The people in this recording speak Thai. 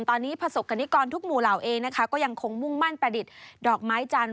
ตอนนี้ประสบกรณิกรทุกหมู่เหล่าเองนะคะก็ยังคงมุ่งมั่นประดิษฐ์ดอกไม้จันทร์